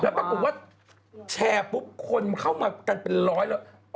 ปรากฏว่าแชร์ปุ๊บคนเข้ามากันเป็นร้อยแล้ว